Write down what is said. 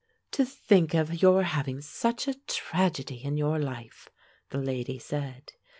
"To think of your having such a tragedy in your life!" the lady said.